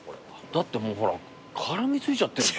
だってもうほら絡み付いちゃってるもん。